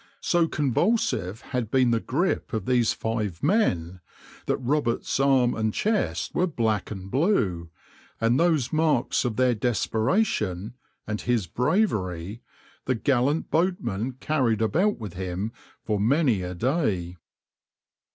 So convulsive had been the grip of these five men, that Roberts' arm and chest were black and blue, and those marks of their desperation and his bravery the gallant boatman carried about with him for many a day.